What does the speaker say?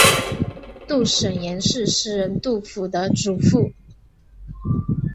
杜审言是诗人杜甫的祖父。